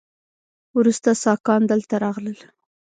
وروسته ساکان دلته راغلل